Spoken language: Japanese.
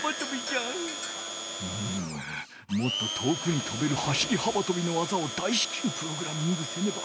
うむもっと遠くにとべる走り幅とびのわざを大しきゅうプログラミングせねば。